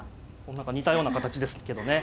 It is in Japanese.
何か似たような形ですけどね。